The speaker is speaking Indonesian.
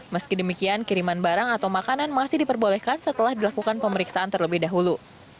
meski demikian kiriman barang atau makanan masih diperbolehkan setelah dilakukan pemeriksaan terlebih dahulu